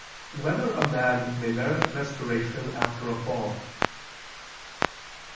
7] Whether a Man May Merit Restoration After a Fall?